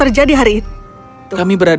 kenapa saidiwa tanggung raising coffee